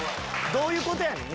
どういうことやねん？